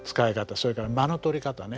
それから間の取り方ね。